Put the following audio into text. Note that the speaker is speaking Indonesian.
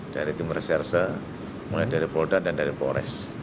dari tim reserse mulai dari polda dan dari polres